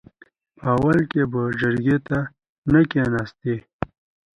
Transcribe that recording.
په اول کې به جرګې ته نه کېناستې .